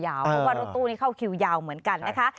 เพราะว่ารถตู้นี้เข้าคิวยาวเหมือนกันนะคะ